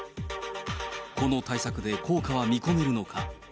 この対策で効果は見込めるのか。